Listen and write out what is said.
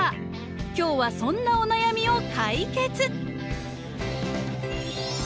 今日はそんなお悩みを解決！